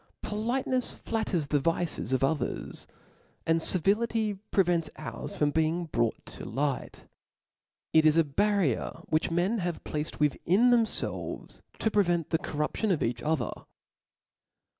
Folitenefs Batters the vices of others, and civility prevents ours from being brought to light. It is a barrier which men have placed within themfelves to prevent the corruption of each other.